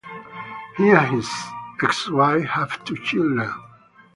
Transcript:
He and his ex-wife have two children.